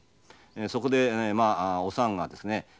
そこでまあおさんがですね